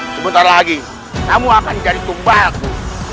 sebentar lagi kamu akan jadi kumpalku